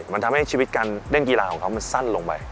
มันทำให้ชีวิตการเล่นกีฬาของเขามันสั้นลงไป